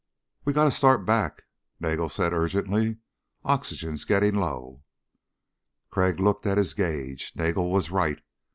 "We gotta start back," Nagel said urgently, "oxygen's getting low." Crag looked at his gauge. Nagel was right.